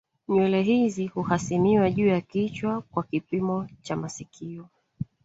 nywele hizi huhasimiwa juu ya kichwa kwa kipimo cha masikio